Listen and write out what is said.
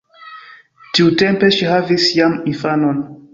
Tiutempe ŝi havis jam infanon.